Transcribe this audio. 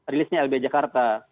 rilisnya lb jakarta